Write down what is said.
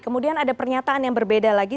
kemudian ada pernyataan yang berbeda lagi